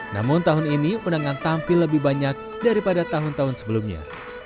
namun tahun ini penangan tampil lebih banyak daripada tahun tahun sebelumnya